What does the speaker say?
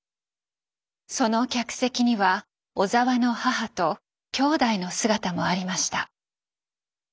その客席には小澤の母と兄弟の姿もありました。